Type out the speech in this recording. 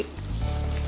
masih bete aja